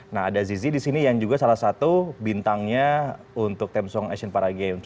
nah ada zizi di sini yang juga salah satu bintangnya untuk temsong asian para game